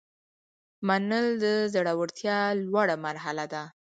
منل د زړورتیا لوړه مرحله ده.